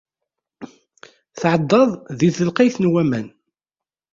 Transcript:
Tɛeddaḍ di telqay n waman.